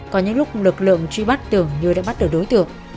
có những lúc lực lượng truy bắt tưởng như đã bắt được đối tượng